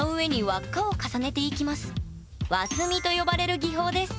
輪積みと呼ばれる技法です